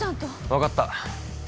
分かった。